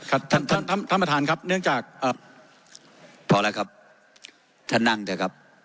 ท่านท่านท่านประธานครับเนื่องจากพอแล้วครับท่านนั่งเถอะครับ